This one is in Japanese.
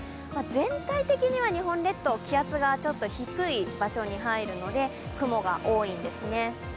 全体的には日本列島気圧がちょっと低い場所に入るので雲が多いんですね。